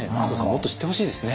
もっと知ってほしいですね。